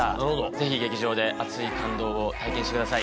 ぜひ劇場で熱い感動を体験してください。